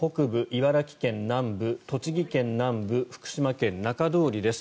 茨城県南部、栃木県南部福島県中通りです。